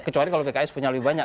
kecuali kalau pks punya lebih banyak